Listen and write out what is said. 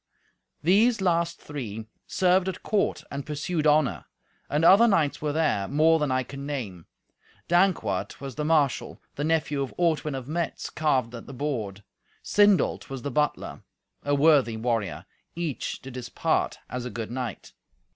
These last three served at court and pursued honour. And other knights were there, more than I can name. Dankwart was the marshal; the nephew of Ortwin of Metz carved at the board; Sindolt was the butler, a worthy warrior: each did his part as a good knight.